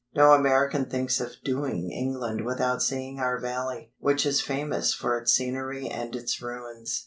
No American thinks of "doing" England without seeing our valley, which is famous for its scenery and its ruins.